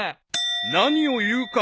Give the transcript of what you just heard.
［何を言うか］